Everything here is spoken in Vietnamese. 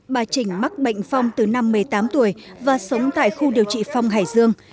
bà trình mắc bệnh phong từ năm một mươi tám tuổi và sống tại khu điều trị phong hải dương